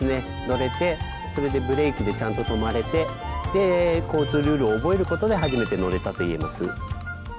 乗れてそれでブレーキでちゃんと止まれてで交通ルールを覚えることで初めて乗れたと言えます。